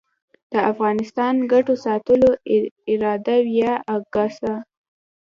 د افغانستان ګټو ساتلو اداره یا اګسا